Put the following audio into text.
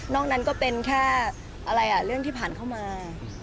นอกนั้นก็เป็นแค่เรื่องที่ผ่านเข้ามา